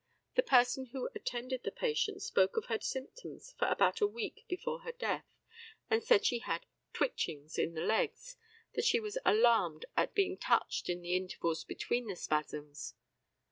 The person who attended the patient spoke of her symptoms for about a week before her death, and said she had "twitchings" in the legs, that she was alarmed at being touched in the intervals between the spasms.